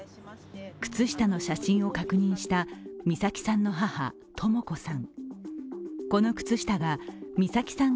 靴下の写真を確認した美咲さんの母・とも子さん。